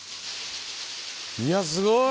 いやすごい！